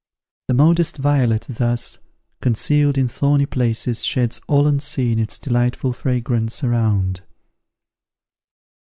The modest violet thus, concealed in thorny places sheds all unseen its delightful fragrance around.